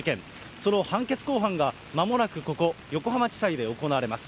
その判決公判が、まもなくここ、横浜地裁で行われます。